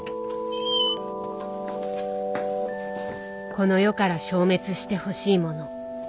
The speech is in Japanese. この世から消滅してほしいもの。